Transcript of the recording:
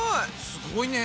すごいね！